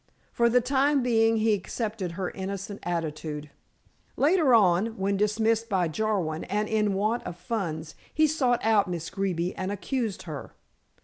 For the time being he accepted her innocent attitude. Later on, when dismissed by Jarwin and in want of funds, he sought out Miss Greeby and accused her.